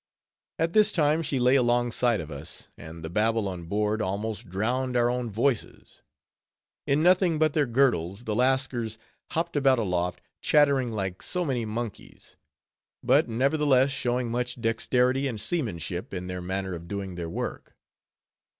At this time, she lay alongside of us, and the Babel on board almost drowned our own voices. In nothing but their girdles, the Lascars hopped about aloft, chattering like so many monkeys; but, nevertheless, showing much dexterity and seamanship in their manner of doing their work.